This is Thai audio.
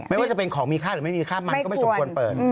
ไม่ว่าจะเป็นของมีค่าหรือไม่มีค่ามันก็ไม่สมควรเปิด